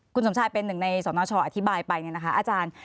คุณสมชายเป็นหนึ่งในสนชอธิบายไปเนี่ยนะคะอาจารย์